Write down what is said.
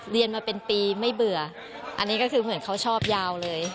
เรียนมาเป็นปีไม่เบื่ออันนี้ก็คือเหมือนเขาชอบยาวเลย